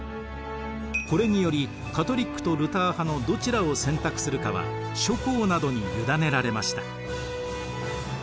これによりカトリックとルター派のどちらを選択するかは諸侯などに委ねられました。